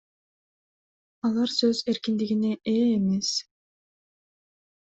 Алар сөз эркиндигине ээ эмес.